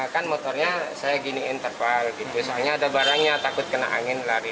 kan motornya saya giniin terpal gitu soalnya ada barangnya takut kena angin lari